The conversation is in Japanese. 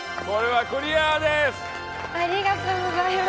ありがとうございます。